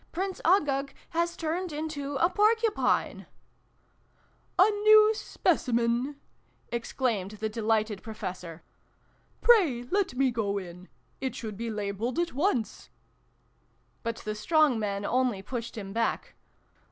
Prince Uggug has turned into a Porcupine !"" A new Specimen !" exclaimed the delighted Professor. " Pray let me go in. It should be labeled at once !" But the strong men only pushed him back.